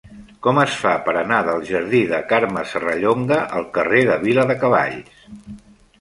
Com es fa per anar del jardí de Carme Serrallonga al carrer de Viladecavalls?